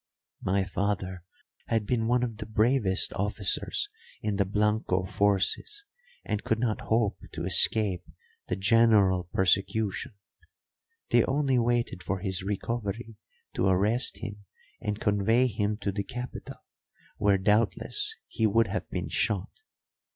My father had been one of the bravest officers in the Blanco forces, and could not hope to escape the general persecution. They only waited for his recovery to arrest him and convey him to the capital, where, doubtless, he would have been shot.